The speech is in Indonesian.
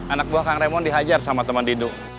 anak buah kang remon dihajar sama teman didu